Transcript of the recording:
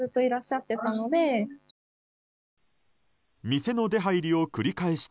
店の出入りを繰り返した